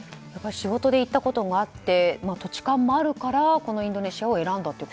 仕事で行ったこともあって土地勘もあるからインドネシアを選んだと。